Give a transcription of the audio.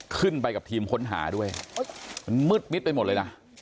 ขึ้นไปกับทีมค้นหาด้วยมันมืดมิดไปหมดเลยนะ